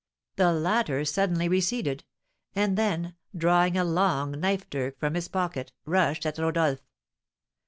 The latter suddenly receded, and then, drawing a long knife dirk from his pocket, rushed at Rodolph.